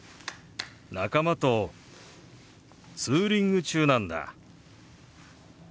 仲間とツーリング中なんだ。